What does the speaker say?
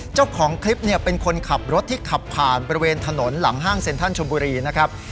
เจ้าของคลิปเนี่ยเป็นคนขับรถที่ขับผ่านบริเวณถนนหลังห้างเซ็นทันชมบุรีนะครับ